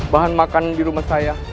bahan makan di rumah saya